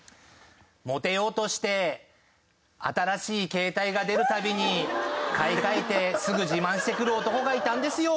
モテようとして新しい携帯が出るたびに買い替えてすぐ自慢してくる男がいたんですよ。